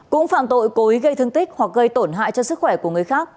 cũng phạm tội cố ý gây thương tích hoặc gây tổn hại cho sức khỏe của người khác